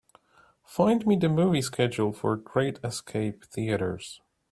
Find me the movie schedule for Great Escape Theatres